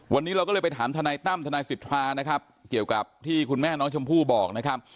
วันนี้เราก็เลยไปถามทนายตั้มทนายสิทธานะครับเกี่ยวกับที่คุณแม่น้องชมพู่บอกนะครับ